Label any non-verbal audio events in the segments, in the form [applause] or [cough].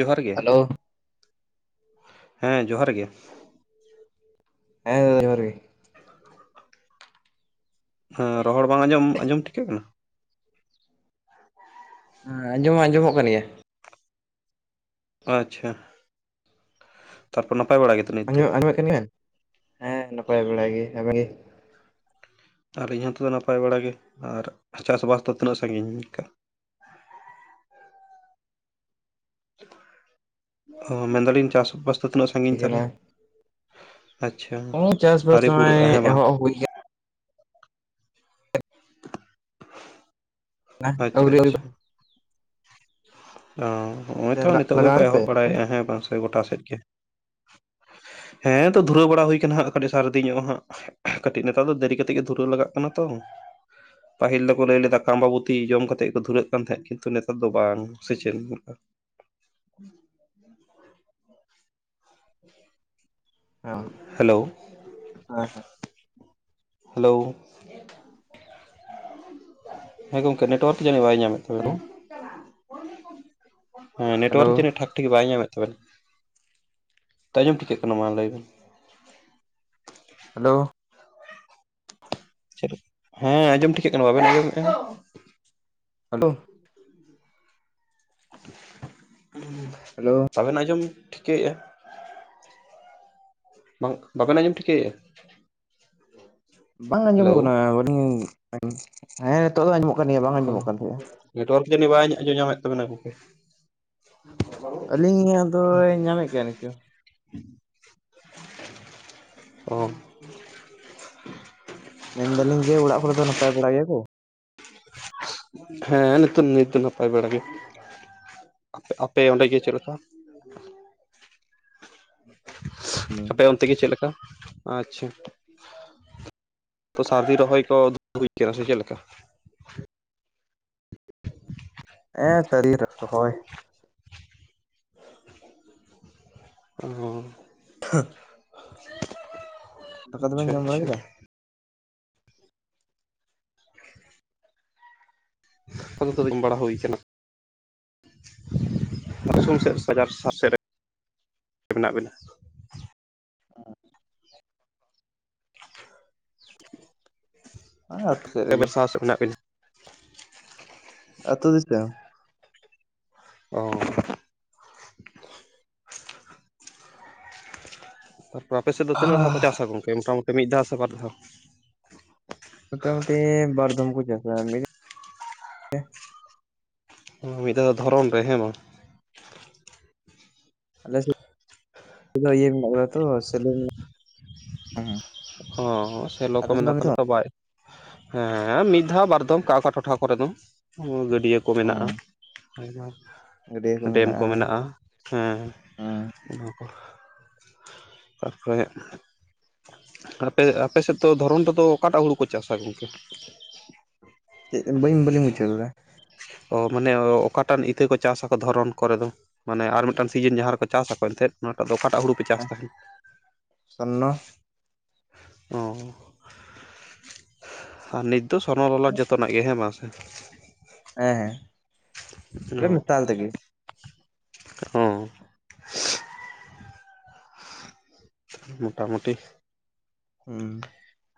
ᱡᱚᱦᱟᱨ ᱜᱮ ᱾ ᱦᱮᱞᱳ ᱦᱮᱸ ᱡᱚᱦᱟᱨ ᱜᱮ ᱾ ᱦᱮᱸ ᱫᱟᱫᱟ ᱡᱚᱦᱟᱨ ᱜᱮ ᱾ ᱦᱮᱸ ᱨᱚᱦᱚᱲ ᱵᱟᱝ ᱟᱸᱡᱚᱢ ᱟᱸᱡᱚᱢ ᱴᱷᱤᱠᱟᱹᱜ ᱠᱟᱱᱟ? ᱦᱮᱸ ᱟᱸᱡᱚᱢ ᱦᱚᱸ ᱟᱸᱡᱚᱢᱚᱜ ᱠᱟᱱ ᱜᱮᱭᱟ ᱾ ᱟᱪᱪᱷᱟ, ᱛᱟᱨ ᱯᱚᱨ, ᱱᱟᱯᱟᱭ ᱵᱟᱲᱟ ᱜᱮ? ᱾ ᱟᱸᱡᱚᱢᱚᱜ, ᱟᱸᱡᱚᱢ ᱠᱟᱱ ᱜᱮᱭᱟ? ᱦᱮᱸ, ᱱᱟᱯᱟᱭ ᱵᱟᱲᱟ ᱜᱮ ᱾ ᱟᱵᱮᱱ ᱜᱮ? ᱟᱨ, ᱤᱧ ᱦᱚᱸᱛᱚ, ᱱᱟᱯᱟᱭ ᱵᱟᱲᱟ ᱜᱮ, ᱟᱨ ᱪᱟᱥᱵᱟᱥ ᱫᱚ, ᱛᱤᱱᱟᱹᱜ ᱥᱟᱺᱜᱤᱧ ᱞᱮᱠᱟ? [inaudible] ᱚᱼ ᱢᱮᱱᱫᱟᱞᱤᱧ ᱪᱟᱥ ᱵᱟᱥ ᱫᱚ, ᱛᱤᱱᱟᱹᱜ? ᱪᱤᱠᱟᱹ ᱥᱟᱹᱜᱤᱧ ᱛᱟᱦᱚᱞᱮ ᱠᱟᱱᱟ? ᱾ ᱟᱪᱪᱷᱟ, ᱱᱚᱜᱼᱚᱭ ᱪᱟᱥᱵᱟᱥ ᱟᱹᱨᱤ ᱯᱩᱨᱟᱹᱜᱼᱟ, ᱱᱚᱜᱼᱚᱭ ᱦᱮᱸ ᱵᱟᱝ ᱾ ᱮᱦᱚᱵ ᱦᱩᱭ [unintelligible] [unintelligible] ᱚᱸᱼ ᱦᱚᱸᱜᱼᱚᱭ ᱛᱚ, ᱱᱤᱛᱚᱜ ᱜᱮ ᱠᱚ, ᱞᱟᱜᱟᱣ ᱯᱮ ᱮᱦᱚᱵ ᱵᱟᱲᱟᱭ ᱟᱯᱮ ᱮᱫᱼᱟ, ᱦᱮᱸ ᱵᱟᱝ ᱥᱮ ᱜᱳᱴᱟ ᱥᱮᱫ ᱜᱮ ᱾ ᱦᱮᱸᱼ ᱛᱚ, ᱫᱷᱩᱨᱟᱹᱣ ᱵᱟᱲᱟ ᱦᱩᱭ ᱟᱠᱟᱱᱟ ᱦᱟᱸᱜ, ᱠᱟᱹᱴᱤᱡ ᱥᱟᱨᱫᱤ, ᱧᱚᱜ ᱦᱟᱸᱜ ᱾ ᱠᱟᱹᱴᱤᱡ, ᱱᱮᱛᱟᱨ ᱫᱚ, ᱫᱮᱨᱤ ᱠᱟᱛᱮᱜ ᱜᱮ, ᱫᱷᱩᱨᱟᱹᱣ ᱞᱟᱜᱟᱜ ᱠᱟᱱᱟ ᱛᱚ ᱾ ᱯᱟᱹᱦᱤᱞ ᱫᱚ ᱠᱚ, ᱞᱟᱹᱭ ᱞᱮᱫᱟ, ᱠᱟᱢᱵᱟᱵᱩᱛᱤ ᱡᱚᱢ ᱠᱟᱛᱮᱫ ᱠᱚ, ᱫᱷᱩᱨᱟᱹᱜ ᱠᱟᱱ ᱛᱟᱦᱮᱸᱫ, ᱠᱤᱱᱛᱩ ᱱᱮᱛᱟᱨ ᱫᱚ, ᱵᱟᱝ ᱾ ᱥᱮ ᱪᱮᱫ [inaudible] [unintelligible] ᱟᱸᱶ, ᱦᱮᱞᱳ ᱟᱸᱼᱦᱮᱸ᱾ ᱦᱟᱼᱞᱟᱹᱣ ᱾ ᱥᱟᱸᱜᱮ ᱫᱟᱣ [inaudible] ᱦᱮᱸᱼᱜᱚᱢᱠᱮ, ᱱᱮᱴᱳᱣᱟᱨᱠ ᱡᱟᱹᱱᱤᱡ, ᱵᱟᱭ ᱧᱟᱢᱮᱫ ᱦᱮᱞᱳ ᱛᱟᱵᱮᱱᱟ ᱾ ᱦᱮᱸ, ᱦᱮᱞᱳ ᱱᱮᱴᱣᱟᱨᱠ ᱡᱟᱱᱤᱪ, ᱴᱷᱟᱠ ᱾ ᱴᱷᱤᱠ, ᱵᱟᱭ ᱧᱟᱢᱮᱫ ᱛᱟᱵᱮᱱᱟ, ᱛᱚ, ᱟᱸᱡᱚᱢ ᱴᱷᱤᱠᱟᱹᱜ ᱠᱟᱱᱟ, ᱢᱟ, ᱞᱟᱹᱭ ᱵᱮᱱ ᱾ ᱦᱟᱞᱳᱻ ᱾ [unintelligible] ᱦᱮᱸᱻ, ᱟᱸᱡᱚᱢ ᱴᱷᱤᱠᱟᱹᱜ ᱠᱟᱱᱟ, ᱵᱟᱵᱮᱱ ᱟᱸᱡᱚᱢᱮᱫᱼᱟ? ᱟᱸᱻᱪᱷᱟ ᱾ ᱦᱮᱞᱳ [unintelligible] [unintelligible] ᱩ-ᱝᱦᱩᱸ ᱾ ᱦᱟᱻᱞᱳ ᱾ ᱵᱟᱵᱮᱱ, ᱟᱸᱡᱚᱢ ᱴᱷᱤᱠᱟᱹ ᱭᱮᱜᱼᱟ ᱾ ᱵᱟᱝ, ᱵᱟᱵᱮᱱ ᱟᱸᱡᱚᱢ ᱴᱷᱤᱠᱟᱹ ᱭᱮᱜᱼᱟ? ᱵᱟᱝ ᱦᱮᱞᱳ ᱟᱸᱡᱚᱢᱚᱜ ᱠᱟᱱᱟ, ᱵᱟᱹᱞᱤᱧ, ᱮᱸᱻ ᱦᱮᱸᱼᱱᱤᱛᱚᱜ ᱫᱚ, ᱟᱸᱡᱚᱢᱚᱜ ᱠᱟᱱ ᱜᱮᱭᱟ ᱵᱟᱝ ᱚᱼ, ᱟᱸᱡᱚᱢᱚᱜ ᱠᱟᱱ ᱛᱟᱦᱮᱸᱜᱼᱟ ᱱᱮᱴᱣᱟᱨᱠ ᱡᱟᱹᱱᱤᱡ, ᱵᱟᱭ ᱟᱸᱡᱚᱢ ᱧᱟᱢᱮᱫ ᱛᱟᱵᱮᱱᱟ, ᱜᱚᱝᱠᱮ ᱾ ᱟᱹᱞᱤᱧᱟᱜ ᱫᱚᱭ, ᱧᱟᱢᱮᱫ ᱜᱮᱭᱟ, ᱱᱤᱛᱚᱜ [unintelligible] ᱚᱼ ᱾ ᱢᱮᱱ ᱮᱫᱟᱹᱞᱤᱧ ᱡᱮ, ᱚᱲᱟᱜ ᱠᱚᱨᱮ ᱫᱚ, ᱱᱟᱯᱟᱭ ᱵᱟᱲᱟ ᱜᱮᱭᱟ ᱠᱚ ᱾ [unintelligible] ᱦᱮᱸᱼᱱᱤᱛᱚᱜ, ᱱᱤᱛ ᱫᱚ, ᱱᱟᱯᱟᱭ ᱵᱮᱲᱟ ᱜᱮ, ᱟᱯ ᱟᱯᱮ ᱚᱸᱰᱮ ᱜᱮ, ᱪᱮᱫ ᱞᱮᱠᱟ? [unintelligible] ᱟᱯᱮ ᱚᱱᱛᱮ ᱜᱮ, ᱪᱮᱫ ᱞᱮᱠᱟ? ᱟᱪᱪᱷᱟ, ᱛᱚ, ᱥᱟᱨᱫᱤ ᱨᱚᱦᱚᱭ ᱠᱚ, [unintelligible] ᱦᱩᱭ ᱠᱟᱱᱟ ᱥᱮ, ᱪᱮᱫ ᱞᱮᱠᱟ? [inaudible] ᱮᱸᱻ ᱛᱟᱹᱨᱤ ᱨᱮ, [inaudible] ᱨᱚᱦᱚᱭ ᱩᱸᱻ ᱾ ᱠᱷ-ᱟᱸᱦ ᱾ [inaudible] ᱫᱟᱠᱟ ᱫᱚ ᱟᱪᱪᱷᱟ ᱵᱮᱱ, ᱡᱚᱢ ᱵᱟᱲᱟ ᱟᱪᱪᱷᱟ ᱠᱮᱫᱟ? ᱠᱩᱞ ᱠᱚᱫᱚ [unintelligible] ᱵᱟᱲᱟ ᱦᱩᱭ ᱟᱠᱟᱱᱟ ᱾ ᱵᱟᱛᱨᱩᱢ ᱥᱮᱫ, [unintelligible] ᱥᱟᱡᱟᱨ ᱥᱟᱦᱟᱨ ᱥᱮᱫ ᱨᱮ, ᱢᱮᱱᱟᱜ ᱵᱤᱱᱟ ᱾ ᱟ ᱻ ᱾ ᱦᱮᱸ ᱟᱹᱛᱩ ᱥᱮᱫ [unintelligible] ᱨᱮᱜᱮ ᱮᱵᱟᱨ [unintelligible] ᱥᱟᱦᱟᱨ ᱥᱮᱫ ᱨᱮ ᱢᱮᱱᱟᱜ ᱵᱮᱱᱟ ᱾ ᱟᱹᱛᱩ ᱫᱤᱥᱟᱹᱢ ᱚᱸ ᱛᱟᱨᱯᱚᱨ ᱟᱯᱮ ᱥᱮᱫ ᱫᱚ ᱛᱤᱱᱟᱹᱜ ᱫᱷᱟᱣ ᱠᱚ ᱦᱟᱻ ᱪᱟᱥᱟ ᱜᱚᱝᱠᱮ ᱢᱚᱴᱟᱢᱩᱴᱤ ᱢᱤᱫ ᱫᱷᱟᱣ ᱥᱮ ᱵᱟᱨ ᱫᱷᱟᱣ? ᱢᱚᱴᱟᱢᱩᱴᱤ ᱵᱟᱨᱫᱚᱢ ᱠᱚ ᱪᱟᱥᱟ ᱢᱮᱫᱤᱱᱼᱼ ᱢᱤᱫ ᱫᱷᱟᱣ ᱫᱚ ᱫᱷᱚᱨᱚᱱ ᱨᱮ ᱦᱮᱸ ᱵᱟᱝ ᱟᱞᱮ ᱥᱮᱫ [inaudible] ᱤᱭᱟᱹ ᱢᱮᱱᱟᱜᱼᱟ ᱛᱚ ᱥᱮᱞᱳ ᱢᱮᱱᱟᱜ ᱦᱚᱸ ᱦᱚᱸ ᱦᱚᱸ ᱥᱮᱞᱚ ᱠᱚ ᱢᱮᱱᱟᱜ ᱛᱟᱦᱞᱦᱮ ᱛᱚ ᱵᱟᱭ ᱦᱮᱸ ᱢᱤᱫ ᱫᱷᱟᱣ ᱵᱟᱨ ᱫᱚᱢ ᱚᱠᱟ ᱚᱠᱟ ᱴᱚᱴᱷᱟ ᱠᱚᱨᱮ ᱫᱚ ᱜᱟᱹᱰᱭᱟᱹ ᱠᱚ ᱢᱮᱱᱟᱜᱼᱟ᱾ ᱦᱩᱸ ᱟᱨᱢᱟ ᱰᱮᱢ ᱠᱚ ᱢᱮᱱᱟᱜᱼᱟ ᱦᱮᱸ ᱦᱩᱸ ᱚᱱᱟᱼᱼ ᱛᱟᱨᱯᱚᱨᱮ ᱟᱯᱮ ᱟᱯᱮ ᱥᱮᱫ ᱫᱚ ᱫᱷᱚᱨᱚᱱ ᱨᱮᱫᱚ ᱚᱠᱟᱴᱟᱜ ᱦᱩᱲᱩ ᱠᱚ ᱪᱟᱥᱟ ᱜᱚᱝᱠᱮ? ᱪᱮᱫ ᱵᱟᱹᱧ ᱵᱟᱹᱞᱤᱧ ᱵᱩᱡᱷᱟᱹᱣ ᱞᱮᱫᱟ ᱚ ᱢᱟᱱᱮ ᱚ ᱚᱠᱟᱴᱟᱜ ᱤᱛᱟᱹ ᱠᱚ ᱪᱟᱥᱟᱠᱚ ᱫᱷᱚᱨᱚᱱ ᱠᱚᱨᱮ ᱫᱚ ᱢᱟᱱᱮ ᱟᱨ ᱢᱤᱫᱴᱟᱱ ᱥᱤᱡᱤᱱ ᱡᱟᱦᱟᱸ ᱨᱮᱠᱚ ᱪᱟᱥᱟᱠᱚ ᱮᱱᱛᱮᱫ ᱚᱱᱟᱴᱟᱜ ᱫᱚ ᱚᱠᱟᱴᱟᱜ ᱦᱩᱲᱩ ᱯᱮ ᱪᱟᱥ ᱦᱮᱸ ᱛᱟᱸᱦᱮᱫ? ᱥᱚᱨᱱᱚ ᱚᱻ ᱟᱨ ᱱᱤᱛ ᱫᱚ ᱥᱚᱨᱱᱚ ᱞᱚᱞᱟᱴ ᱡᱚᱛ ᱡᱚᱛᱚᱱᱟᱜ ᱜᱮ ᱦᱮᱸ ᱢᱟ ᱥᱮ ᱦᱮᱸ ᱚ ᱦᱮᱸ ᱢᱮᱛᱟᱞ ᱛᱮᱜᱮ ᱦᱚᱸ ᱢᱚᱴᱟᱢᱩᱴᱤ ᱦᱩᱸ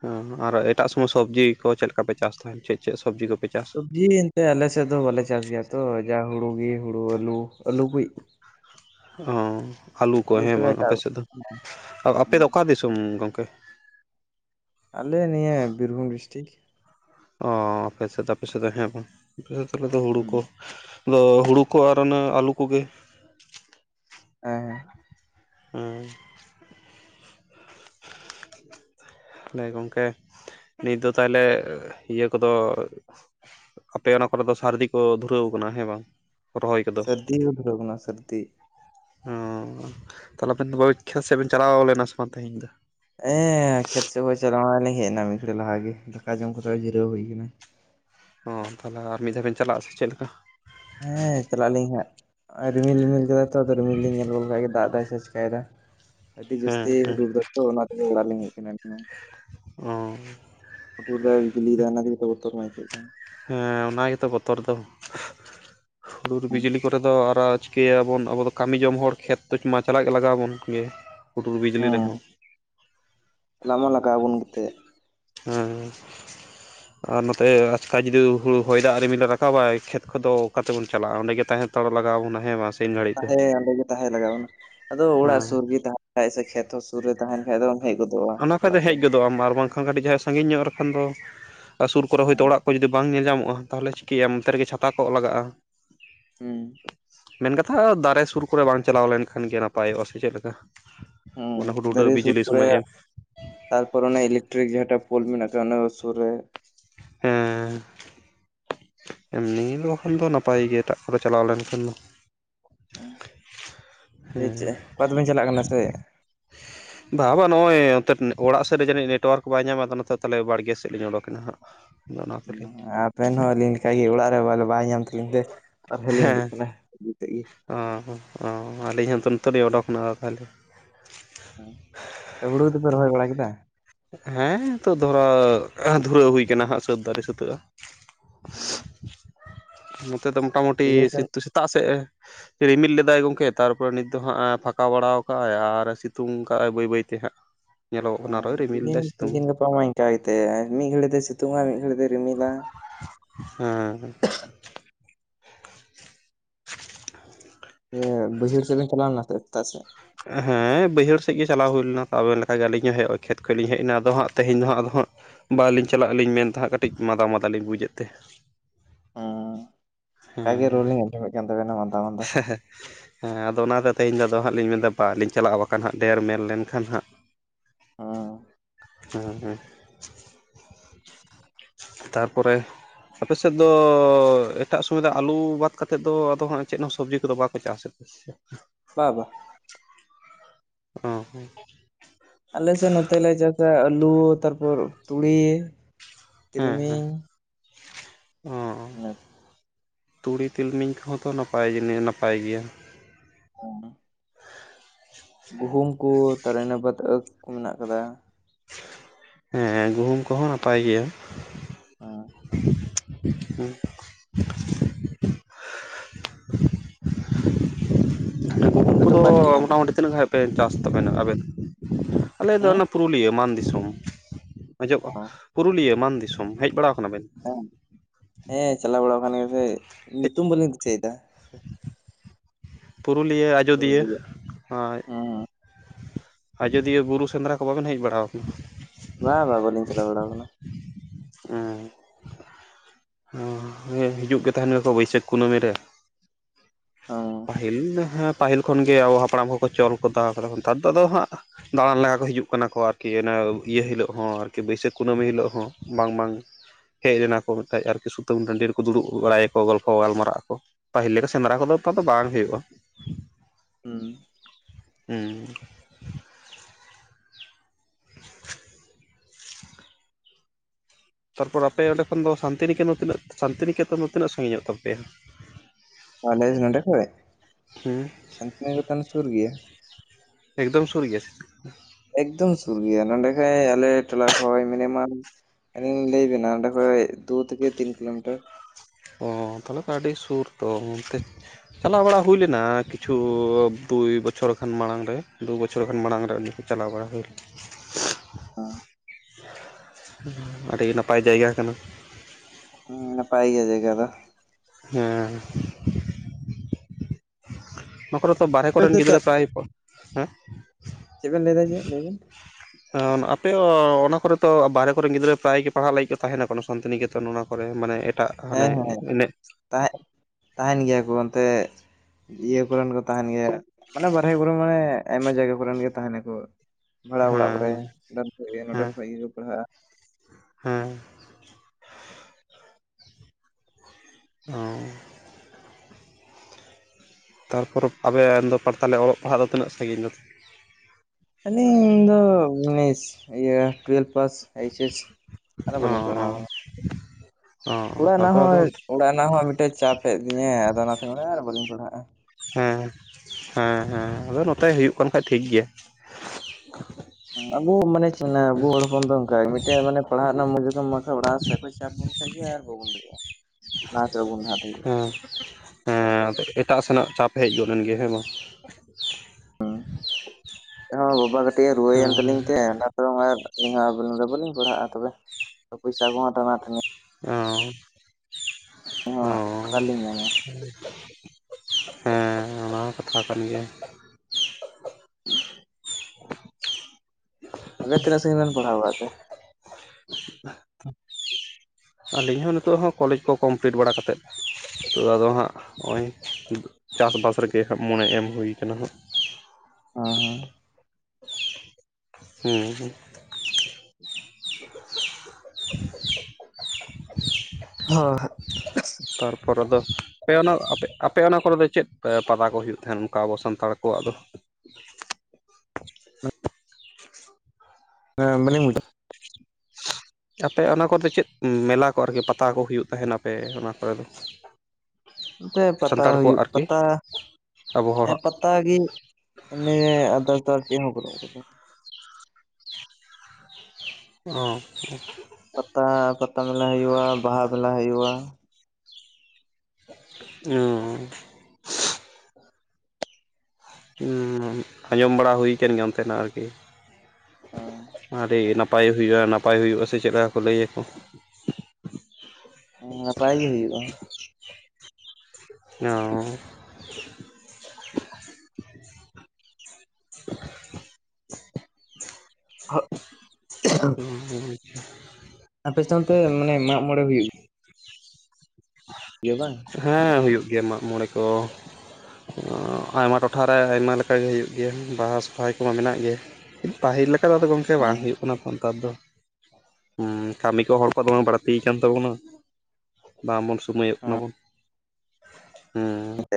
ᱦᱮᱸ ᱟᱨ ᱮᱴᱟᱜ ᱥᱚᱢᱚᱭ ᱥᱚᱵᱽᱡᱤ ᱠᱚ ᱪᱮᱫ ᱞᱮᱠᱟ ᱯᱮ ᱪᱟᱥ ᱛᱟᱦᱮᱱ ᱪᱮᱫ ᱪᱮᱫ ᱥᱚᱵᱽᱡᱤ ᱠᱚᱯᱮ ᱪᱟᱥᱼᱼ ᱡᱮ ᱮᱱᱛᱮᱜ ᱟᱞᱮᱥᱮᱫ ᱫᱚ ᱵᱟᱞᱮ ᱪᱟᱥ ᱜᱮᱭᱟ ᱛᱚ ᱡᱟ ᱦᱩᱲᱩᱜᱤ ᱦᱩᱲᱩ ᱟᱹᱞᱩ ᱟᱹᱞᱩ ᱠᱩᱡ ᱚᱻ ᱟᱹᱞᱩ ᱠᱚ ᱦᱮᱸ ᱪᱷᱟᱲᱟ ᱵᱟᱝ ᱟᱯᱮ ᱮᱴᱟᱜ ᱥᱮᱫ ᱫᱚ ᱟᱯᱮ ᱦᱩᱸ ᱫᱚ ᱚᱠᱟ ᱫᱤᱥᱚᱢ ᱜᱚᱝᱠᱮ? ᱟᱞᱮ ᱱᱤᱭᱟᱹ ᱵᱤᱨᱵᱷᱩᱢ ᱰᱤᱥᱴᱤᱠ ᱚᱻ ᱟᱯᱮ ᱥᱮᱫ ᱫᱚ ᱟᱯᱮ ᱥᱮᱫ ᱦᱮᱸ ᱵᱟᱝ ᱟᱞᱮ ᱥᱮᱫ ᱫᱚ ᱦᱩᱲᱩ ᱦᱩᱸ ᱠᱚ ᱾ ᱟᱫᱚ ᱦᱩᱲᱩ ᱠᱚ ᱟᱨ ᱚᱱᱮ ᱟᱹᱞᱩ ᱠᱚᱜᱮ ᱦᱮᱸ ᱦᱮᱸ ᱮᱸ ᱞᱮ ᱜᱚᱝᱠᱮ ᱱᱤᱛ ᱫᱚ ᱛᱟᱦᱚᱞᱮ ᱤᱭᱟᱹ ᱠᱚᱫᱚᱼᱼ ᱟᱯᱮ ᱚᱱᱟ ᱠᱚᱨᱮ ᱫᱚ ᱥᱟᱨᱫᱤ ᱠᱚ ᱫᱷᱩᱨᱟᱹᱣ ᱠᱟᱱᱟ ᱦᱮᱸ ᱵᱟᱝ ᱨᱚᱦᱚᱭ ᱠᱚᱫᱚ? ᱠᱩ ᱫᱷᱩᱨᱟᱹᱣ ᱠᱟᱱᱟ ᱥᱟᱨᱫᱤ ᱚᱻ ᱛᱟᱞᱦᱮ ᱟᱵᱮᱱ ᱫᱚ ᱠᱷᱮᱛ ᱥᱮᱫ ᱵᱮᱱ ᱪᱟᱞᱟᱣ ᱞᱮᱱᱟ ᱥᱮ ᱵᱟᱝ ᱛᱮᱦᱮᱧ ᱫᱚ? ᱦᱮᱸ ᱠᱷᱮᱛ ᱥᱮᱫ ᱠᱷᱚᱱ ᱪᱟᱞᱟᱣ ᱞᱮᱱᱟ ᱞᱤᱧ ᱦᱮᱡ ᱮᱱᱟ ᱢᱤᱫ ᱜᱷᱟᱹᱲᱤᱡ ᱞᱟᱦᱟ ᱜᱮ ᱫᱟᱠᱟ ᱡᱚᱢ ᱠᱟᱛᱮᱜ ᱡᱤᱨᱟᱹᱣ ᱦᱩᱭ ᱠᱟᱱᱟ᱾ ᱦᱴᱚ ᱛᱟᱞᱦᱮ ᱟᱨ ᱢᱤᱫ ᱫᱷᱟᱣ ᱵᱮᱱ ᱪᱟᱞᱟᱜᱼᱟ ᱥᱮ ᱪᱮᱫ ᱞᱮᱠᱟ? ᱦᱮᱸ ᱪᱟᱞᱟᱜ ᱟᱞᱤᱧ ᱦᱟᱸᱜ। ᱱᱚᱜᱼᱚᱭ ᱨᱤᱢᱤᱞ ᱨᱤᱢᱤᱞ ᱠᱟᱫᱟᱭ ᱛᱚ ᱟᱫᱚ ᱨᱤᱢᱤᱞ ᱞᱤᱧ ᱧᱮᱞ ᱜᱚᱫ ᱠᱟᱡ ᱜᱮ ᱫᱟᱜ ᱫᱟᱭ ᱥᱮ ᱪᱤᱠᱟᱭ ᱫᱟᱭ ᱟᱹᱰᱤ ᱦᱮᱸ ᱡᱟᱹᱥᱛᱤ ᱦᱮᱸ ᱦᱩᱰᱩᱨ ᱫᱟᱛᱚ ᱚᱱᱟᱛᱮ ᱚᱲᱟᱜ ᱞᱤᱧ ᱦᱮᱡ ᱠᱟᱱᱟ ᱟᱞᱤᱧ ᱦᱚᱸ ᱚ ᱦᱩᱰᱩᱨ ᱫᱟᱭ ᱵᱤᱡᱽᱞᱤ ᱫᱟᱭ ᱚᱱᱟ ᱛᱮᱜᱮ ᱛᱚ ᱵᱚᱛᱚᱨ ᱢᱟ ᱟᱹᱠᱟᱹᱜ ᱠᱟᱱ। ᱦᱮᱸ ᱚᱱᱟ ᱜᱮᱛᱚ ᱵᱚᱛᱚᱨ ᱫᱚ ᱾ ᱦᱩᱰᱩᱨ ᱦᱮᱸ ᱵᱤᱡᱽᱞᱤ ᱠᱚᱨᱮ ᱫᱚ ᱟᱨᱚ ᱪᱤᱠᱟᱹᱭᱟᱵᱚᱱ ᱟᱵᱚ ᱫᱚ ᱠᱟᱹᱢᱤ ᱡᱚᱢ ᱦᱚᱲ ᱠᱷᱮᱛ ᱛᱚ ᱢᱟ ᱪᱟᱞᱟᱜ ᱜᱮ ᱞᱟᱜᱟᱣ ᱟᱵᱚᱱ ᱜᱮ। ᱦᱩᱰᱩᱨ ᱵᱤᱡᱽᱞᱤ ᱦᱮᱸ ᱨᱮᱦᱚᱸ। ᱪᱟᱞᱟᱜ ᱢᱟ ᱞᱟᱜᱟᱣ ᱟᱵᱚᱱ ᱜᱮᱛᱮ। ᱦᱮᱸ। ᱟᱨ ᱱᱚᱛᱮ ᱟᱪᱠᱟ ᱡᱩᱫᱤ ᱦᱩᱲᱩ ᱦᱚᱭ ᱫᱟᱜ ᱨᱤᱢᱤᱞᱮ ᱨᱟᱠᱟᱵᱟᱭ ᱠᱷᱮᱛ ᱠᱚᱫᱚ ᱚᱠᱟ ᱛᱮᱵᱚᱱ ᱪᱟᱞᱟᱜᱼᱟ ᱚᱸᱰᱮ ᱜᱮ ᱛᱟᱦᱮᱸᱼᱼ ᱦᱟᱛᱟᱲ ᱞᱟᱜᱟᱣ ᱟᱵᱚᱱᱟ ᱦᱮᱸ ᱵᱟᱝ ᱥᱮ। ᱛᱟᱦᱮᱸ ᱚᱸᱰᱮ ᱜᱮ ᱛᱟᱦᱮᱸ ᱞᱟᱜᱟᱣ ᱟᱵᱚᱱᱟ ᱟᱫᱚ ᱚᱲᱟᱜ ᱦᱮᱸ ᱥᱩᱨᱜᱮ ᱛᱟᱦᱮᱸ ᱠᱷᱮᱛ ᱦᱚᱸ ᱥᱩᱨ ᱨᱮ ᱛᱟᱦᱮᱱ ᱠᱷᱟᱡ ᱫᱚ ᱦᱮᱡ ᱜᱚᱫᱚᱜ ᱚᱱᱟ ᱠᱷᱟᱡ ᱫᱚ ᱦᱮᱡ ᱜᱚᱫᱚᱜ ᱟᱢ ᱟᱨ ᱵᱟᱝᱠᱷᱟᱱ ᱠᱟᱹᱴᱤᱡ ᱡᱟᱦᱟᱸᱭ ᱥᱟᱺᱜᱤᱧ ᱧᱚᱜ ᱨᱮᱠᱷᱟᱱ ᱫᱚ ᱟᱨ ᱥᱩᱨ ᱠᱚᱨᱮ ᱦᱚᱭᱛᱳ ᱚᱲᱟᱜ ᱠᱚ ᱡᱩᱫᱤ ᱵᱟᱝ ᱧᱮᱞ ᱧᱟᱢᱚᱜᱼᱟ ᱛᱟᱦᱚᱞᱮ ᱪᱤᱠᱟᱹᱭᱟᱢ ᱚᱱᱛᱮ ᱨᱮᱜᱮ ᱪᱷᱟᱛᱟ ᱠᱚᱜ ᱞᱟᱜᱟᱜᱼᱟ᱾ ᱦᱩᱸ ᱢᱮᱱ ᱠᱟᱛᱷᱟ ᱫᱟᱨᱮ ᱥᱩᱨ ᱠᱚᱨᱮ ᱵᱟᱝ ᱪᱟᱞᱟᱣ ᱞᱮᱱᱠᱷᱟᱱ ᱜᱮ ᱱᱟᱯᱟᱭᱚᱜᱼᱟ ᱥᱮ ᱪᱮᱫ ᱞᱮᱠᱟ᱾ ᱦᱩᱸ ᱚᱱᱟ ᱦᱩᱰᱦᱩᱰᱟᱹᱣ ᱫᱟᱨᱮ ᱥᱩᱨ ᱵᱤᱡᱽᱞᱤ ᱠᱚᱨᱮ ᱥᱚᱢᱚᱭ ᱮᱢ ᱛᱟᱨᱯᱚᱨ ᱚᱱᱟ ᱤᱞᱮᱠᱴᱨᱤᱠ ᱡᱟᱦᱟᱸᱴᱟᱜ ᱯᱳᱞ ᱢᱮᱱᱟᱜ ᱠᱟᱜ-ᱟ ᱚᱱᱟ ᱥᱩᱨ ᱨᱮ ᱦᱮᱸᱻ ᱮᱢᱱᱤ ᱵᱟᱠᱷᱟᱱ ᱫᱚ ᱱᱟᱯᱟᱭ ᱜᱮ ᱮᱴᱟᱜ ᱠᱚᱨᱮ ᱪᱟᱞᱟᱣ ᱞᱮᱱᱠᱷᱟᱱ ᱫᱚ᱾ ᱪᱮᱫ ᱚᱠᱟ ᱛᱮᱵᱤᱱ ᱪᱟᱞᱟᱜ ᱠᱟᱱᱟ ᱥᱮ? ᱵᱟᱝ ᱟᱸᱡᱚᱢᱚᱜ ᱠᱟᱱᱟ ᱵᱟ ᱵᱟᱝ ᱱᱚᱜᱼᱚᱭ ᱱᱚᱛᱮ ᱚᱲᱟᱜ ᱥᱮᱫ ᱨᱮ ᱡᱟᱹᱱᱤᱡ ᱱᱮᱴᱟᱣᱟᱨᱠᱚ ᱵᱟᱭ ᱧᱟᱢᱟ ᱱᱚᱛᱮ ᱛᱟᱦᱚᱞᱮ ᱵᱟᱲᱜᱮ ᱥᱮᱫ ᱞᱤᱧ ᱚᱰᱚᱠ ᱱᱟ ᱦᱟᱜ ᱵᱟᱝ ᱟᱸᱡᱚᱢᱚᱜ ᱠᱟᱱᱟ ᱟᱵᱮᱱ ᱦᱚ ᱟᱞᱤᱧ ᱞᱮᱠᱟ ᱜᱮ ᱚᱲᱟᱜ ᱨᱮ ᱵᱟᱭ ᱧᱟᱢ ᱛᱟᱞᱤᱧ ᱛᱮ ᱵᱟᱨᱦᱮ ᱞᱤᱧ ᱩᱰᱩᱠ ᱦᱮᱸ ᱠᱟᱱᱟ ᱤᱛᱮᱫ ᱜᱮ ᱚ ᱦᱚ ᱚ ᱟᱹᱞᱤᱧ ᱦᱚ ᱱᱤᱛᱚᱜ ᱞᱤᱧ ᱚᱰᱚᱠ ᱱᱟ ᱛᱟᱦᱚᱞᱮ ᱦᱳᱲᱳ ᱫᱚᱯᱮ ᱨᱚᱦᱚᱭ ᱵᱟᱲᱟ ᱠᱮᱫᱟ? ᱦᱮᱸ ᱱᱤᱛᱚᱜ ᱫᱷᱚᱨᱟ ᱫᱷᱩᱨᱟᱹᱣ ᱦᱩᱭ ᱠᱟᱱᱟ ᱦᱟᱸᱜ ᱥᱟᱹᱛ ᱫᱚ ᱟᱹᱣᱨᱤ ᱥᱟᱹᱛᱟᱹᱜᱼᱟ᱾ ᱚᱸ ᱱᱚᱛᱮ ᱫᱚ ᱢᱚᱴᱟᱢᱩᱴᱤ ᱥᱮᱱ ᱥᱮᱛᱟᱜ ᱥᱮᱫ ᱮᱼᱼ ᱨᱤᱢᱤᱞ ᱞᱮᱫᱟᱭ ᱜᱚᱝᱠᱮ ᱛᱟᱨᱯᱚᱨᱮ ᱱᱤᱛ ᱫᱚ ᱦᱟᱸᱜ ᱯᱷᱟᱠᱟ ᱵᱟᱲᱟᱣ ᱠᱟᱜᱼ ᱟᱭ ᱟᱨ ᱥᱤᱛᱩᱝ ᱠᱟᱜᱼᱟᱭ ᱵᱟᱹᱭ-ᱵᱟᱹᱭᱛᱮ ᱦᱟᱸᱜ ᱵᱟᱝ ᱟᱸᱡᱚᱢᱚᱜ ᱠᱟᱱᱟ ᱟᱨᱚᱭ ᱨᱤᱢᱤᱞ ᱫᱟᱭ ᱛ ᱥᱤᱛᱩᱝ ᱛᱦᱫᱤᱱ ᱜᱟᱯᱟ ᱢᱟ ᱤᱱᱠᱟ ᱛᱮ ᱟᱭ ᱢᱤᱫ ᱜᱷᱟ. ᱲᱤᱡ ᱛᱮ ᱥᱤᱛᱩᱝᱼᱟᱭ ᱢᱤᱫ ᱜᱷᱟ. ᱲᱤᱡ ᱛᱮᱭ ᱨᱤᱢᱤᱞᱟ ᱦᱮᱸᱻᱦᱮᱸ ᱵᱟᱹᱭᱦᱟᱹᱲ ᱥᱮᱫ ᱵᱮᱱ ᱪᱟᱞᱟᱣ ᱞᱮᱱᱟ ᱥᱮ ᱥᱮᱛᱟᱜ ᱥᱮᱫ? ᱦᱮᱸ ᱵᱟᱹᱭᱦᱟᱹᱲ ᱥᱮᱫ ᱜᱮ ᱪᱟᱞᱟᱣ ᱦᱩᱭ ᱞᱮᱱᱟ ᱟᱵᱮᱱ ᱞᱮᱠᱟ ᱜᱮ ᱟᱹᱞᱤᱧ ᱦᱮᱡ ᱠᱷᱮᱛ ᱠᱷᱚᱱ ᱞᱤᱧ ᱦᱮᱡ ᱮᱱᱟ ᱟᱫᱚ ᱦᱟᱸᱜ ᱛᱮᱦᱮᱧ ᱫᱚ ᱦᱟᱸᱜ ᱟᱫᱚ ᱦᱟᱸᱜ ᱵᱟᱞᱤᱧ ᱪᱟᱞᱟᱜ ᱟᱹᱞᱤᱧ ᱢᱮᱱᱫᱟ ᱦᱟᱸᱜ ᱠᱟᱹᱴᱤᱡ ᱢᱟᱫᱟ-ᱢᱟᱫᱟ ᱞᱤᱧ ᱵᱩᱡ ᱮᱫ ᱛᱮ᱾ ᱦᱩᱸ ᱚᱱᱠᱟ ᱜᱮ ᱦᱮᱸ ᱨᱚᱲ ᱞᱤᱧ ᱟᱡᱚᱢ ᱮᱫ ᱠᱟᱱ ᱛᱟᱵᱮᱱᱟ ᱢᱟᱫᱟ-ᱢᱟᱫᱟ᱾ ᱦᱮᱸ ᱟᱫᱚ ᱚᱱᱟ ᱛᱮ ᱛᱮᱦᱮᱧ ᱫᱟᱫᱟ ᱦᱟᱸᱜ ᱞᱤᱧ ᱢᱮᱱ ᱮᱫᱟ ᱵᱟ ᱞᱤᱧ ᱪᱟᱞᱟᱜᱼᱟ ᱵᱟᱠᱷᱟᱱ ᱦᱟᱸᱜ ᱰᱷᱮᱨ ᱢᱮᱱ ᱞᱮᱱ ᱠᱷᱟᱱ ᱦᱟᱸᱜ ᱵᱟᱝ ᱟᱸᱡᱚᱢᱚᱜ ᱠᱟᱱᱟ ᱦᱩᱸᱻ ᱦᱩᱸ-ᱦᱩᱸ ᱛᱟᱨᱯᱚᱨᱮ ᱟᱯᱮ ᱥᱮᱫ ᱫᱚ ᱮᱴᱟᱜ ᱥᱚᱢᱚᱭ ᱫᱚ ᱟᱹᱞᱩ ᱵᱟᱫ ᱠᱟᱛᱮᱫ ᱫᱚ ᱟᱫᱚ ᱦᱟᱸᱜ ᱪᱮᱫ ᱦᱚᱸ ᱥᱚᱵᱽᱡᱤ ᱠᱚ ᱫᱚ ᱵᱟᱠᱚ ᱪᱟᱥᱮᱫ ᱥᱮ ᱪᱮᱫ ᱵᱟ-ᱵᱟ ᱚᱦᱚ ᱟᱞᱮ ᱥᱮᱫ ᱱᱚᱛᱮ ᱞᱮ ᱪᱟᱥᱟ ᱟᱹᱞᱩ, ᱛᱟᱨᱯᱚᱨ ᱛᱩᱲᱤ, ᱛᱤᱞᱢᱤᱧ ᱚᱻ ᱤᱱᱟᱹ ᱛᱩᱲᱤ ᱛᱤᱞᱢᱤᱧ ᱠᱚ ᱦᱚᱸ ᱛᱚ ᱱᱟᱯᱟᱭ-ᱱᱟᱯᱟᱭ ᱜᱮᱭᱟ᱾ ᱵᱟᱝ ᱟᱸᱡᱚᱢᱚᱜ ᱠᱟᱱᱟ ᱜᱩᱦᱩᱢ ᱠᱚ ᱛᱟᱨᱟᱭᱮᱱᱟ ᱵᱟᱹᱫ ᱟᱸᱠ ᱠᱚ ᱢᱮᱱᱟᱜ ᱟᱠᱟᱫᱟ ᱦᱮᱸ ᱜᱩᱦᱩᱢ ᱠᱚ ᱦᱚᱸ ᱱᱟᱯᱟᱭ ᱜᱮᱭᱟ᱾ ᱦᱩᱸ ᱦᱩᱸ ᱟᱯᱮ ᱫᱚ ᱚᱠᱟ ᱨᱮᱯᱮ ᱟᱫᱚ ᱧᱟᱢ ᱫᱟ ᱢᱚᱴᱟ ᱢᱩᱴᱤ ᱛᱤᱱᱟᱹᱜ ᱜᱟᱱ ᱯᱮ ᱪᱟᱥ ᱛᱟᱹᱵᱮᱱᱟ ᱟᱹᱵᱮᱱ ᱟᱞᱮ ᱫᱚ ᱦᱩᱸ ᱚᱱᱟ ᱯᱩᱨᱩᱞᱤᱭᱟᱹ ᱢᱟᱱ ᱫᱤᱥᱚᱢ ᱟᱸᱡᱚᱢᱚᱜᱼᱟ ᱦᱮᱸ ᱯᱩᱨᱩᱞᱤᱭᱟᱹ ᱢᱟᱱ ᱫᱤᱥᱚᱢ ᱦᱮᱡ ᱵᱟᱲᱟᱣ ᱚᱱᱟ ᱵᱮᱫ ᱦᱮᱸ ᱪᱟᱞᱟᱣ ᱵᱟᱲᱟ ᱠᱟᱱ ᱜᱮᱭᱟ ᱥᱮ ᱦᱮᱡ ᱧᱩᱛᱩᱢ ᱵᱟᱹᱞᱤᱧ ᱫᱤᱥᱟᱹᱭ ᱫᱟ᱾ ᱯᱩᱨᱩᱞᱤᱭᱟᱹ ᱟᱡᱚᱫᱤᱭᱟᱹ ᱦᱚᱭ᱾ ᱦᱩᱸ ᱟᱡᱚᱫᱤᱭᱟᱹ ᱵᱩᱨᱩ ᱥᱮᱸᱫᱽᱨᱟ ᱠᱚ ᱵᱟᱹᱵᱮᱱ ᱦᱮᱡ ᱵᱟᱲᱟᱣ ᱠᱟᱱᱟ? ᱵᱟ ᱵᱟ ᱵᱟᱹᱞᱤᱧ ᱪᱟᱞᱟᱣ ᱵᱟᱲᱟ ᱠᱟᱱᱟ᱾ ᱚᱸᱭ᱾ ᱦᱩᱸ ᱦᱩᱸ ᱦᱤᱡᱩᱜ ᱜᱮ ᱛᱟᱦᱮᱸᱱ ᱜᱮᱭᱟ ᱠᱚ ᱵᱟᱹᱭᱥᱟᱹᱠᱷ ᱠᱩᱱᱟᱹᱢᱤ ᱨᱮ? ᱦᱩᱸ ᱯᱟᱹᱦᱤᱞ ᱫᱚ ᱦᱮᱸ ᱯᱟᱹᱦᱤᱞ ᱠᱷᱚᱱ ᱜᱮ ᱟᱵᱚ ᱦᱟᱯᱲᱟᱢ ᱠᱚ ᱠᱚ ᱪᱚᱞ ᱠᱚᱫᱟᱣ ᱠᱟᱫᱟ ᱠᱚ ᱱᱮᱛᱟᱨ ᱫᱚ ᱟᱫᱚ ᱦᱟᱸᱜ ᱫᱟᱬᱟᱱ ᱞᱮᱠᱟ ᱠᱚ ᱦᱤᱡᱩᱜ ᱠᱟᱱᱟ ᱠᱚ ᱟᱨᱠᱤ ᱚᱱᱟ ᱤᱭᱟᱹ ᱦᱤᱞᱚᱜ ᱦᱚᱸ ᱟᱨᱠᱤ ᱵᱟᱹᱭᱥᱟᱹᱠ ᱠᱩᱱᱟᱹᱢᱤ ᱦᱤᱞᱚᱜ ᱦᱚᱸ᱾ ᱵᱟᱝ ᱵᱟᱝ ᱦᱮᱡ ᱞᱮᱱᱟ ᱠᱚ ᱢᱮᱛᱟᱡ ᱟᱨ ᱥᱩᱛᱟᱹᱢ ᱴᱟᱺᱰᱤ ᱨᱮ ᱠᱚ ᱫᱩᱲᱩᱵ ᱵᱟᱲᱟᱭᱟ ᱠᱚ ᱜᱚᱞᱯᱷᱚ ᱜᱟᱞᱢᱟᱨᱟᱜ ᱟᱠᱚ ᱯᱟᱹᱦᱤᱞ ᱞᱮᱠᱟ ᱥᱮᱸᱫᱽᱨᱟ ᱠᱚ ᱫᱚ ᱱᱤᱛᱚᱜ ᱫᱚ ᱵᱟᱝ ᱦᱩᱭᱩᱜᱼᱟ᱾ [inaudible] ᱦᱩᱸ᱾ ᱦᱩᱸ᱾ ᱛᱟᱨᱯᱚᱨ ᱟᱯᱮ ᱚᱸᱰᱮ ᱠᱷᱚᱱ ᱫᱚ ᱥᱟᱱᱛᱤᱱᱤᱠᱮᱛᱚᱱ ᱛᱤᱱᱟᱹᱜ ᱥᱟᱱᱛᱤᱱᱤᱠᱮᱛᱚᱱ ᱫᱚ ᱛᱤᱱᱟᱹᱜ ᱥᱟᱺᱜᱤᱧ ᱚᱜ ᱛᱟᱯᱮᱭᱟ? ᱟᱞᱮ ᱱᱚᱰᱮ ᱠᱷᱚᱡ ᱦᱩᱸ ᱥᱟᱱᱛᱤᱱᱤᱠᱮᱛᱚᱱ ᱥᱩᱨ ᱜᱮᱭᱟ᱾ ᱮᱠᱫᱚᱢ ᱥᱩᱨ ᱜᱮᱭᱟ ᱥᱮ ᱪᱮᱫ? ᱮᱠᱫᱚᱢ ᱥᱩᱨ ᱜᱮᱭᱟ ᱱᱚᱰᱮ ᱠᱷᱚᱡ ᱟᱞᱮ ᱴᱚᱞᱟ ᱠᱷᱚᱡ ᱢᱤᱱᱤᱢᱟᱢ ᱟᱹᱞᱤᱧ ᱞᱤᱧ ᱞᱟᱹᱭ ᱟᱹᱵᱮᱱᱟ ᱚᱸᱰᱮ ᱠᱷᱚᱡ ᱫᱩ ᱛᱷᱮᱠᱮ ᱛᱤᱱ ᱠᱤᱞᱚ ᱢᱤᱴᱟᱹᱨ ᱚ ᱛᱟᱦᱚᱞᱮ ᱛᱚ ᱟᱹᱰᱤ ᱥᱩᱨ ᱛᱚ ᱚᱱᱛᱮ ᱪᱟᱞᱟᱣ ᱵᱟᱲᱟ ᱦᱩᱭ ᱞᱮᱱᱟ ᱠᱤᱪᱷᱩ ᱫᱩᱭ ᱵᱚᱪᱷᱚᱨ ᱠᱷᱟᱱ ᱢᱟᱲᱟᱝ ᱨᱮ ᱫᱩ ᱵᱚᱪᱷᱚᱨ ᱠᱷᱟᱱ ᱢᱟᱲᱟᱝ ᱨᱮ ᱩᱱ ᱪᱟᱞᱟᱣ ᱵᱟᱲᱟ ᱦᱩᱭ ᱞᱮᱱᱟ᱾ ᱦᱩᱸ ᱟᱹᱰᱤ ᱱᱟᱯᱟᱭ ᱡᱟᱭᱜᱟ ᱠᱟᱱᱟ᱾ ᱦᱩᱸ ᱱᱟᱯᱟᱭ ᱜᱮᱭᱟ ᱡᱟᱭᱜᱟ ᱫᱚ᱾ ᱡᱮᱸ᱾ ᱱᱚᱣᱟ ᱠᱚᱨᱮ ᱛᱚ ᱵᱟᱦᱨᱮ ᱠᱚ ᱨᱮᱱ ᱜᱤᱫᱽᱨᱟᱹ ᱯᱨᱟᱭ, ᱦᱮᱸ? ᱪᱮᱫ ᱵᱮᱱ ᱞᱟᱹᱭ ᱮᱫᱟ ᱡᱮ ᱞᱟᱹᱭ ᱵᱮᱱ ᱮᱸ ᱟᱯᱮ ᱚᱱᱟ ᱠᱚ ᱨᱮ ᱛᱚ ᱵᱟᱦᱨᱮ ᱠᱚ ᱨᱮᱱ ᱜᱤᱫᱽᱨᱟᱹ ᱯᱨᱟᱭ ᱜᱮ ᱯᱟᱲᱦᱟᱜ ᱞᱟᱹᱜᱤᱫ ᱠᱚ ᱛᱟᱦᱮᱸᱱᱟ ᱠᱚ ᱥᱟᱱᱛᱤᱱᱤᱠᱮᱛᱚᱱ ᱚᱱᱟ ᱠᱚ ᱨᱮ ᱢᱟᱱᱮ ᱮᱴᱟᱜ ᱦᱟᱱᱮ ᱦᱮᱸ ᱦᱮᱸ ᱮᱱᱮᱡ ᱛᱟᱦᱮᱸᱜ ᱛᱟᱦᱮᱸᱱ ᱜᱮᱭᱟ ᱠᱚ ᱱᱚᱛᱮ ᱤᱭᱟᱹ ᱠᱚᱨᱮᱱ ᱠᱚ ᱛᱟᱦᱮᱸᱱ ᱜᱮᱭᱟ ᱢᱟᱱᱮ ᱵᱟᱦᱨᱮ ᱠᱚ ᱨᱮᱱ ᱢᱟᱱᱮ ᱟᱭᱢᱟ ᱡᱟᱭᱜᱟ ᱠᱚ ᱨᱮᱱ ᱜᱮ ᱛᱟᱦᱮᱹᱱ ᱟᱠᱚ᱾ ᱵᱷᱟᱲᱟ ᱚᱲᱟᱜ ᱦᱮᱸ ᱠᱚᱨᱮ, ᱱᱚᱰᱮᱱ ᱠᱚ ᱤᱭᱟᱹ ᱦᱮᱸ ᱱᱚᱰᱮᱱ ᱦᱮᱸ ᱠᱚ ᱤᱭᱟᱹ ᱯᱟᱲᱦᱟᱜᱼᱟ᱾ ᱦᱮᱸ᱾ ᱚ᱾ ᱛᱟᱨᱯᱚᱨ ᱟᱹᱵᱮᱱ ᱫᱚ ᱯᱟᱨᱛᱟᱞᱮ ᱚᱞᱚᱜ ᱯᱟᱲᱦᱟᱜ ᱫᱚ ᱛᱤᱱᱟᱹᱜ ᱥᱟᱺᱜᱤᱧ ᱜᱮ ᱫᱚ? ᱟᱹᱞᱤᱧ ᱫᱚ ᱢᱟᱱᱮᱥ ᱤᱭᱟᱹ ᱴᱩᱭᱮᱞ ᱯᱟᱥ ᱮᱭᱤᱪ ᱮᱥ ᱟᱨᱚ ᱵᱟᱹᱞᱤᱧ ᱯᱟᱲᱦᱟᱣ ᱠᱟᱱᱟ᱾ [unintelligible] ᱚᱲᱟᱜ ᱨᱮᱱᱟᱜ ᱛᱟᱨᱯᱚᱨ ᱦᱚᱸ ᱟᱫᱚ ᱚᱲᱟᱜ ᱨᱮᱱᱟᱜ ᱦᱚᱸ ᱢᱤᱫᱴᱮᱡ ᱪᱟᱯ ᱦᱮᱡ ᱟᱫᱤᱧᱟᱹ ᱟᱫᱚ ᱚᱱᱟᱛᱮ ᱢᱟᱱᱮ ᱟᱨ ᱵᱟᱹᱞᱤᱧ ᱯᱟᱲᱦᱟᱜᱼᱟ᱾ ᱦᱮᱸ ᱦᱮᱸ ᱦᱮᱸ ᱟᱫᱚ ᱱᱚᱛᱮ ᱦᱩᱭᱩᱜ ᱠᱟᱱ ᱠᱷᱟᱡ ᱴᱷᱤᱠ ᱜᱮᱭᱟ᱾ ᱦᱩᱸ ᱟᱵᱩ ᱢᱟᱱᱮ ᱪᱤᱱᱟ ᱟᱵᱩ ᱦᱚᱲ ᱠᱷᱚᱱ ᱫᱚ ᱚᱝᱠᱟ ᱜᱤ ᱴᱤᱫ ᱴᱮᱡ ᱢᱟᱱ ᱯᱟᱲᱦᱟᱣ ᱨᱮᱱᱟᱜ ᱢᱩᱡ ᱚᱲᱟᱜ ᱥᱮ ᱪᱟᱯ ᱵᱚᱱ ᱠᱷᱟᱡ ᱜᱮ ᱟᱨ ᱵᱟᱵᱚᱱ ᱫᱩᱲᱩᱵᱼᱟ᱾ ᱱᱟᱪ [unintelligible] ᱵᱷᱟᱞᱮᱭᱟ᱾ ᱦᱩᱸ᱾ ᱦᱮᱸ ᱮᱴᱟᱜ ᱥᱮᱱᱟᱜ ᱪᱟᱯ ᱦᱮᱡ ᱜᱚᱫ ᱮᱱᱜᱮᱭᱟ ᱦᱮᱸ ᱵᱟᱝ? ᱦᱩᱸ ᱮᱦᱚ ᱵᱟᱵᱟ ᱠᱟᱹᱴᱤᱡ ᱨᱩᱣᱟᱹᱭᱮᱱ ᱛᱟᱞᱤᱧ ᱦᱮᱸ ᱛᱮ ᱟᱫᱚ ᱟᱫᱚ [unintelligible] ᱵᱟᱹᱞᱤᱧ ᱯᱟᱲᱦᱟᱜᱼᱟ ᱛᱚᱵᱮ ᱯᱚᱭᱥᱟ ᱠᱚᱦᱚᱸ ᱴᱟᱱᱟ-ᱴᱟᱱᱤ ᱚ ᱦᱚᱸ ᱚᱻ ᱚᱠᱟᱨᱮᱞᱤᱧ ᱧᱟᱢᱟ ᱦᱮᱸ ᱚᱱᱟ ᱦᱚᱸ ᱠᱟᱛᱷᱟ ᱠᱟᱱ ᱜᱮᱭᱟᱹ [unintelligible] ᱟᱵᱮ ᱛᱱᱟᱹ ᱥᱟᱺᱜᱧ ᱵᱮᱱ ᱯᱟᱲᱦᱟᱣ ᱠᱟᱜ ᱛᱮ ᱟᱹᱞᱤᱧ ᱦᱚᱸ ᱱᱤᱛᱚᱜ ᱦᱚᱸ ᱠᱚᱞᱮᱡᱽ ᱠᱚ ᱠᱚᱢᱯᱞᱤᱴ ᱵᱟᱲᱟ ᱠᱟᱛᱮᱫ ᱱᱚᱜ ᱟᱫᱚ ᱦᱟᱸᱜ ᱱᱚᱜᱼᱚᱸᱚᱭ ᱪᱟᱥᱵᱟᱥ ᱨᱮᱜᱮ ᱦᱟᱸᱜ ᱢᱚᱱᱮ ᱮᱢ ᱦᱩᱭ ᱟᱠᱟᱱᱟ ᱦᱟᱸᱜ ᱦᱩᱸ ᱦᱩᱸ ᱦᱩᱸ ᱦᱩᱸ ᱦᱳ ᱛᱟᱨᱯᱚᱨ ᱟᱫᱚ ᱟᱯᱮ ᱚᱱᱟᱯᱮ ᱟᱯᱮ ᱚᱱᱟ ᱠᱚᱨᱮ ᱫᱚ ᱪᱮᱫ ᱯᱟᱛᱟ ᱠᱚ ᱦᱩᱭᱩᱜ ᱛᱟᱦᱮᱸᱱ ᱚᱱᱠᱟ ᱟᱵᱚ ᱥᱟᱱᱛᱟᱲ ᱠᱚᱣᱟᱜ ᱫᱚ ᱦᱮᱸ ᱵᱟᱹᱞᱮᱧ ᱵᱩᱡᱫᱟ ᱟᱯᱮ ᱚᱱᱟ ᱠᱚᱨᱮ ᱫᱚ ᱪᱮᱫ ᱢᱮᱞᱟ ᱠᱚ ᱟᱨᱠᱤ ᱯᱟᱛᱟ ᱠᱚ ᱦᱩᱭᱩᱜ ᱛᱟᱦᱮᱱᱟᱯᱮ ᱚᱱᱟ ᱠᱚᱨᱮ ᱫᱚ ᱱᱛᱮ ᱯᱟᱛᱟ ᱥᱟᱱᱛᱟᱲ ᱠᱚᱣᱟᱜ ᱦᱩᱭᱩᱜ ᱟᱨᱠᱤ ᱯᱟᱛᱟ ᱟᱵᱚ ᱦᱮᱸ ᱦᱚᱲᱟᱜ ᱯᱟᱛᱟ ᱜᱮ ᱤᱱᱟᱹ ᱟᱫᱚ ᱛᱚ ᱪᱮᱫ ᱦᱚᱸ ᱵᱟᱹᱱᱩᱜ ᱠᱟᱫᱟ ᱚ ᱯᱟᱛᱟ ᱯᱟᱛᱟ ᱢᱮᱞᱟ ᱦᱩᱭᱩᱜᱼᱟ ᱵᱟᱦᱟ ᱢᱮᱞᱟ ᱦᱩᱭᱩᱜᱼᱟ ᱚᱻ ᱟᱸᱡᱚᱢ ᱵᱟᱲᱟ ᱦᱩᱭ ᱠᱟᱱ ᱜᱮᱭᱟ ᱚᱱᱛᱮᱱᱟᱜ ᱟᱨᱠᱤ ᱦᱟᱸ ᱟᱹᱰᱤ ᱱᱟᱯᱟᱭ ᱦᱩᱭᱩᱜᱼᱟ ᱱᱟᱯᱟᱭ ᱦᱩᱭᱩᱜᱼᱟ ᱥᱮ ᱪᱮᱫ ᱞᱮᱠᱟ ᱠᱚ ᱞᱟᱹᱭᱟᱠᱚ ᱱᱟᱯᱟᱭ ᱜᱮ ᱦᱩᱭᱩᱜᱼᱟ ᱚ [unintelligible] [unintelligible] ᱟᱯᱮ ᱥᱮ ᱚᱱᱛᱮ ᱢᱟᱱᱮ ᱢᱟᱜ ᱢᱚᱬᱮ ᱦᱩᱭᱩᱜᱼᱟ ᱜᱮᱭᱟ ᱵᱟᱝ ᱦᱮᱸ ᱦᱩᱭᱩᱜ ᱜᱮᱭᱟ ᱢᱟᱜᱢᱚᱬᱮ ᱠᱚ ᱟᱭᱢᱟ ᱴᱚᱴᱷᱟᱨᱮ ᱟᱭᱢᱟ ᱞᱮᱠᱮ ᱦᱩᱭᱩᱜ ᱜᱮᱭᱟ ᱵᱟᱦᱟ ᱥᱚᱦᱚᱨᱟᱭ ᱠᱚᱢᱟ ᱢᱮᱱᱟᱜ ᱜᱮᱭᱟ ᱯᱦᱤᱞ ᱞᱮᱠᱟ ᱫᱚ ᱟᱫᱚ ᱜᱚᱝᱠᱮ ᱠᱮ ᱦᱮᱸ ᱵᱟᱝ ᱦᱩᱭᱩᱜ ᱠᱟᱱᱟ ᱱᱮᱛᱟᱨ ᱫᱚ ᱦᱩ ᱠᱟᱹᱢᱤ ᱠᱚ ᱦᱚᱲ ᱠᱚ ᱫᱚᱢᱮ ᱵᱟᱹᱲᱛᱤᱭᱟᱠᱟᱱ ᱛᱟᱵᱚᱱᱟ ᱵᱟᱝᱵᱚᱱ ᱥᱢᱚᱭᱚᱜ ᱠᱟᱱᱟ ᱵᱚᱱ ᱦᱮᱸ ᱦᱩᱸ